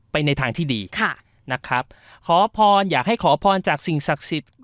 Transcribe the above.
ในทางที่ดีค่ะนะครับขอพรอยากให้ขอพรจากสิ่งศักดิ์สิทธิ์